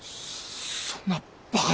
そんなバカな。